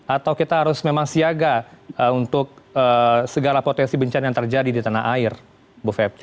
atau kita harus memang siaga untuk segala potensi bencana yang terjadi di tanah air bu fepti